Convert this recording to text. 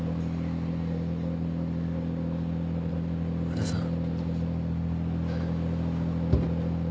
和田さん。